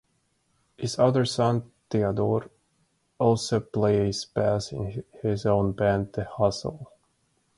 His other son, Theodore, also plays bass in his own band, The Hustle.